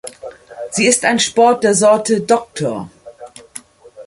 Sie ist ein Sport der Sorte 'Dr.